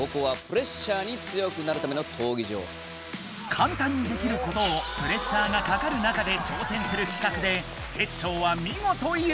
かんたんにできることをプレッシャーがかかる中で挑戦するきかくでテッショウはみごと優勝！